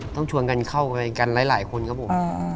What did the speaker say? ต้องชวนกันเข้าไปกันหลายคนครับผม